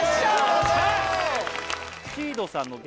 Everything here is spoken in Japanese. よっしゃ！